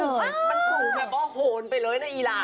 มันถูกแบบบ๊อคโหนไปเลยนะอีหลา